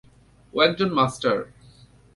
ও একজন মাস্টার।